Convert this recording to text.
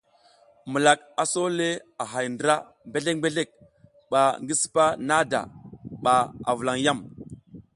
Milak a so le a hay ndra bezlek bezlek ba ngi sipa nada mba a vulan yam.